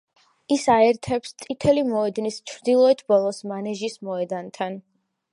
ის აერთებს წითელი მოედნის ჩრდილოეთ ბოლოს მანეჟის მოედანთან.